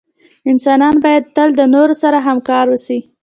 انسانان باید تل دنورو سره همکار اوسې